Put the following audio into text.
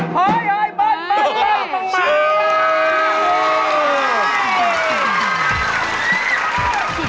เฮ้ยบ้านตรงนี้